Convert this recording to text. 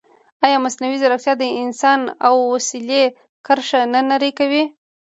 ایا مصنوعي ځیرکتیا د انسان او وسیلې کرښه نه نری کوي؟